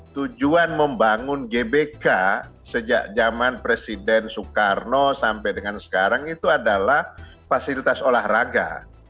tujuan membangun gbk sejak zaman presiden soekarno sampai dengan sekarang itu adalah fasilitas olahraga